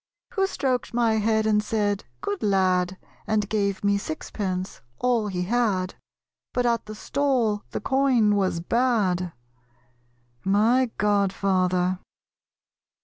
Who stroked my head, and said "Good lad," And gave me sixpence, "all he had"; But at the stall the coin was bad? My Godfather.